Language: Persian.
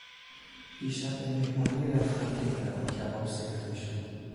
دیشب به مهمانی رفتم که در آن کباب سرو میشد.